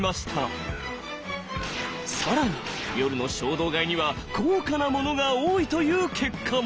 更に夜の衝動買いには高価なものが多いという結果も。